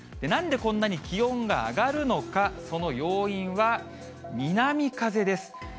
なんでこんなに気温が上がるのか、その要因は南風です。